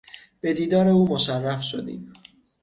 به دیدار او مشرف شدیم